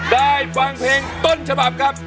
ได้ฟังเพลงต้นฉบับครับ